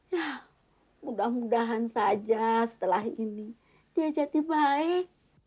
ya mudah mudahan saja setelah ini dia jadi baik